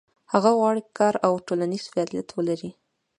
هغه غواړي کار او ټولنیز فعالیت ولري.